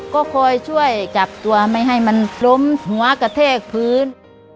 ก็คอยช่วยจับตัวไม่ให้มันล้มหัวกระแทกพื้น